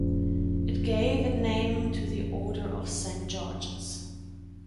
It gave it name to the Order of Saint-Georges.